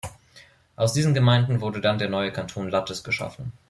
Aus diesen Gemeinden wurde dann der neue Kanton Lattes geschaffen.